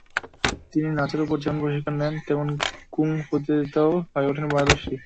তিনি নাচের ওপর যেমন প্রশিক্ষণ নেন, তেমনি কুং ফুতেও হয়ে ওঠেন পারদর্শী।